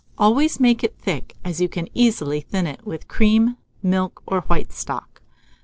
Always make it thick, as you can easily thin it with cream, milk, or white stock.